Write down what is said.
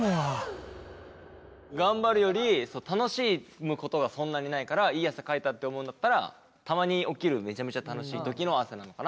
頑張るより楽しむことがそんなにないからいい汗かいたって思うんだったらたまに起きるめちゃめちゃ楽しい時の汗なのかなと思って。